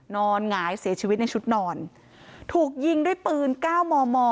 หงายเสียชีวิตในชุดนอนถูกยิงด้วยปืน๙มม